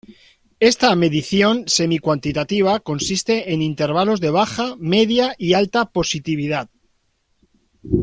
Esta medición semi-cuantitativa consiste en intervalos de baja, media y alta positividad.